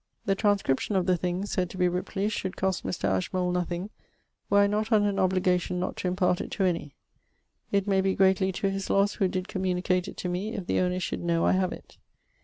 The transcription of the thing, said to be Ripley's, should cost Mr. Ashmole nothing, were I not under an obligation not to impart it to any. It may be greatly to his losse who did communicate it to me, if the owner should know I have it.